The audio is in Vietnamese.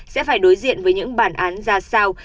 sẽ phải đối diện với những bản án ra sao